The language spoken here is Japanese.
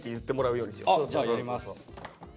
じゃあやります！